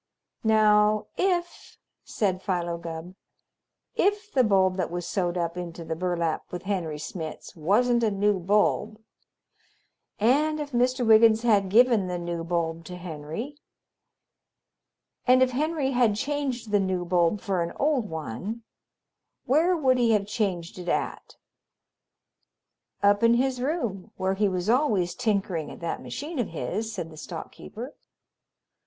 "Now, if," said Philo Gubb, "if the bulb that was sewed up into the burlap with Henry Smitz wasn't a new bulb, and if Mr. Wiggins had given the new bulb to Henry, and if Henry had changed the new bulb for an old one, where would he have changed it at?" "Up in his room, where he was always tinkering at that machine of his," said the stock keeper.